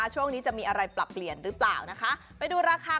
ช่วงตลอดตลาด